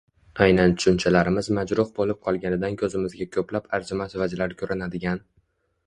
Aynan tushunchalarimiz majruh bo‘lib qolganidan ko‘zimizga ko‘plab arzimas vajlar ko‘rinadigan